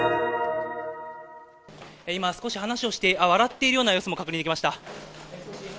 今、少し話をして、笑っている様子も確認できました。